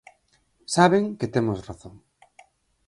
¡Saben que temos razón!